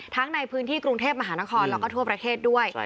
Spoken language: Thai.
ในพื้นที่กรุงเทพมหานครแล้วก็ทั่วประเทศด้วย